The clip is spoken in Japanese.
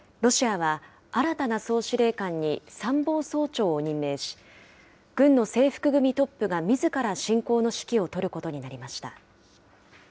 ロシアは、新たな総司令官に参謀総長を任命し、軍の制服組トップがみずから侵攻の指揮を執ることになりました。